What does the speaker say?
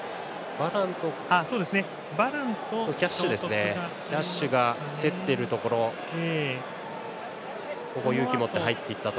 バランとキャッシュが競っているところ勇気を持って入っていったと。